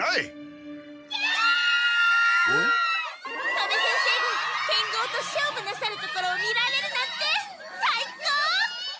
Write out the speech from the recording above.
戸部先生が剣豪と勝負なさるところを見られるなんてさいこう！